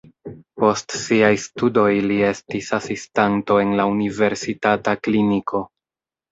Post siaj studoj li estis asistanto en la universitata kliniko.